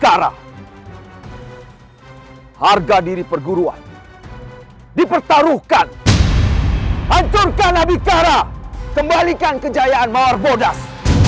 kara harga diri perguruan dipertaruhkan hancurkan nabi kara kembalikan kejayaan maharbordas